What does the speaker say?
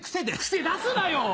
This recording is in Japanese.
癖出すなよ！